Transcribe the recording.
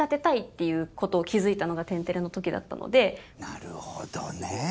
なるほどね！